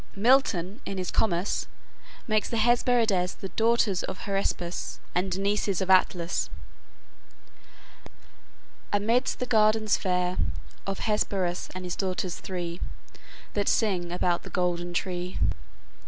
Milton, in his "Comus," makes the Hesperides the daughters of Hesperus and nieces of Atlas: "... amidst the gardens fair Of Hesperus and his daughters three, That sing about the golden tree."